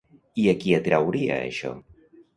I a qui atrauria això?